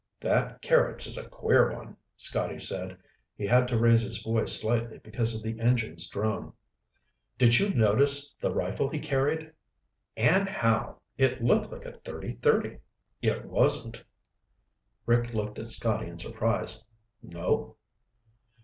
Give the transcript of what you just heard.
"That Carrots is a queer one," Scotty said. He had to raise his voice slightly because of the engine's drone. "Did you notice the rifle he carried?" "And how! It looked like a .30 30." "It wasn't." Rick looked at Scotty in surprise. "No?"